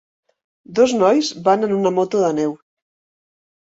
Dos nois van en una moto de neu.